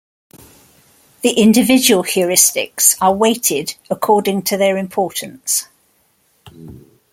The individual heuristics are weighted according to their importance.